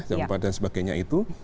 jam empat dan sebagainya itu